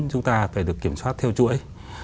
chúng ta phải được kiểm soát theo chuỗi